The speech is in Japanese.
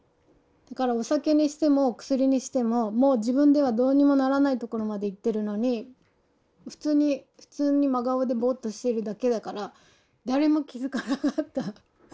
だからお酒にしても薬にしてももう自分ではどうにもならないところまでいってるのに普通に普通に真顔でぼっとしてるだけだから誰も気付かなかった。